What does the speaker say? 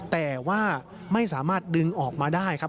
แต่ว่าไม่สามารถดึงออกมาได้ครับ